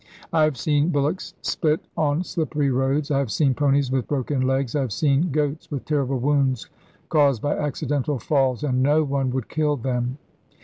I have seen bullocks split on slippery roads, I have seen ponies with broken legs, I have seen goats with terrible wounds caused by accidental falls, and no one would kill them.